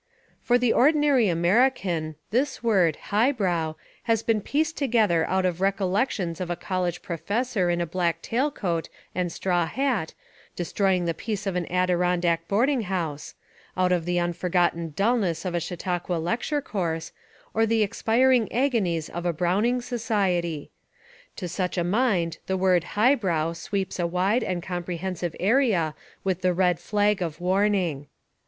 For the ordinary American this word "high brow" has been pieced together out of recollec tions of a college professor in a black tail coat and straw hat destroying the peace of an Adi 235 Essays and Literary Studies rondack boarding house : out of the unforgotten dullness of a Chautauqua lecture course, or the expiring agonies of a Browning Society. To such a mind the word "highbrow" sweeps a wide and comprehensive area with the red flag of warning.